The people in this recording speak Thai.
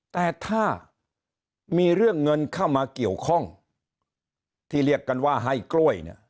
แต่ถ้ามีเรื่องเงินเข้ามาเกี่ยวข้องที่เรียกกันว่าให้กล้วยเนี่ย